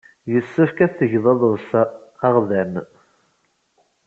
Yessefk ad tgeḍ aḍefs aɣdan.